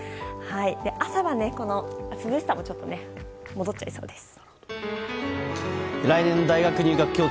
朝は涼しさも戻っちゃいそうです。